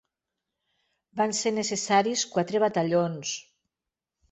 Van ser necessaris quatre batallons.